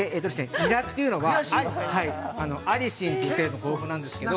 ◆ニラというのは、アリシンという成分が豊富なんですけど、